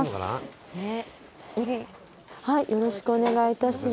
はいよろしくお願い致します。